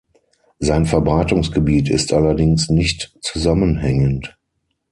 Sein Verbreitungsgebiet ist allerdings nicht zusammenhängend.